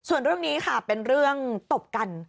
ส่วนเรื่องนี้ค่ะเป็นเรื่องตบกัน